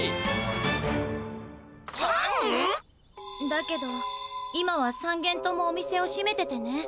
だけど今は３軒ともお店をしめててね。